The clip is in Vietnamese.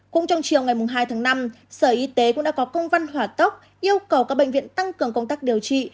cũng trong chiều ngày hai tháng năm sở y tế cũng đã có công văn hỏa tốc yêu cầu các bệnh viện tăng cường công tác điều trị